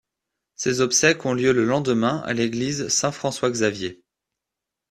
Ses obsèques ont lieu le lendemain à l'église Saint-François-Xavier.